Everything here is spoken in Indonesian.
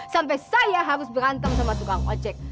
sampai saya harus berantem sama tukang ojek